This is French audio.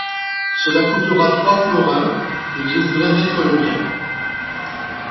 Cela coûtera trois florins, et je voudrais mettre le mien.